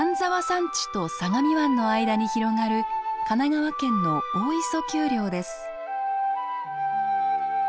山地と相模湾の間に広がる神奈川県の大磯丘陵です。